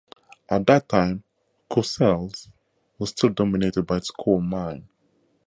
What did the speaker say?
At that time Courcelles was still dominated by its coal mine.